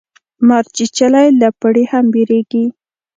مار چیچلی له پړي هم بېريږي.